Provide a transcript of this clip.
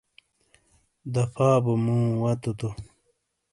دفا بو مو واتو تو۔